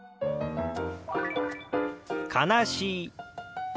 「悲しい」。